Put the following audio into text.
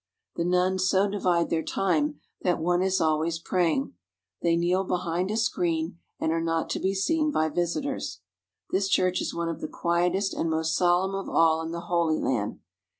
The nuns so divide their time that one is always praying. They kneel behind a screen and are not to be seen by visitors. This church is one of the quietest and most solemn of all in the Holy Land.